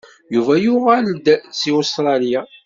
Yuba yuɣal-d seg Ustṛalya.